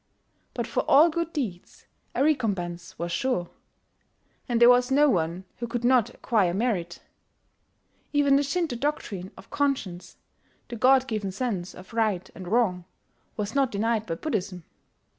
But for all good deeds a recompense was sure; and there was no one who could not acquire merit. Even the Shinto doctrine of conscience the god given sense of right and wrong was not denied by Buddhism.